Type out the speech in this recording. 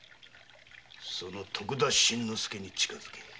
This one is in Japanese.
その徳田新之助に近づけ。